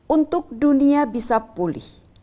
untuk dunia bisa pulih